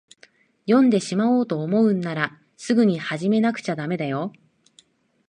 読んでしまおうと思うんなら、すぐに始めなくちゃだめよ。